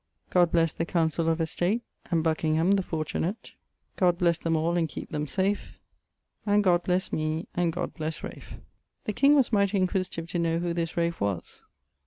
God bless the Councell of Estate, And Buckingham, the fortunate. God blesse them all, and keepe them safe, And God blesse me, and God blesse Raph. The king was mighty enquisitive to know who this Raph was.